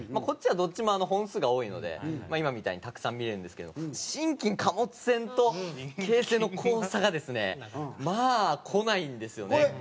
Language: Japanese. こっちはどっちも本数が多いので今みたいにたくさん見えるんですけど新金貨物線と京成の交差がですねまあ来ないんですよね。